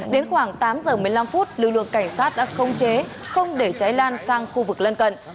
đến khoảng tám giờ một mươi năm phút lực lượng cảnh sát đã không chế không để cháy lan sang khu vực lân cận